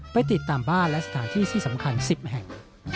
ไปติดตามบ้านและสถานที่ที่สำคัญ๑๐แห่ง